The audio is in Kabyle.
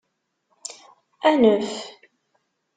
Anef.